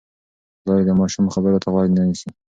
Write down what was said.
پلار یې د ماشوم خبرو ته غوږ نه نیسي.